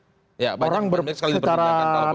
ya banyak sekali yang bertindakkan